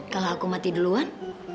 kalau aku mati duluan